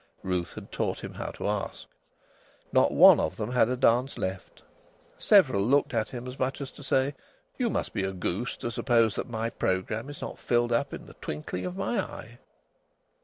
(Ruth had taught him how to ask.) Not one of them had a dance left. Several looked at him as much as to say: "You must be a goose to suppose that my programme is not filled up in the twinkling of my eye!"